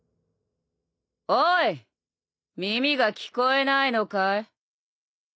おい耳が聞こえないのかい？